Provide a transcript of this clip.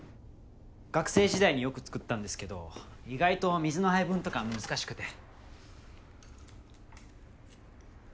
学生時代によく作ったんですけど意外と水の配分とか難しくて。